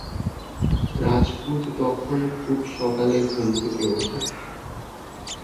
রাজপুত তখন খুব সকালে ঘুম থেকে ওঠে।